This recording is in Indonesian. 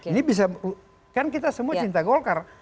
ini bisa kan kita semua cinta golkar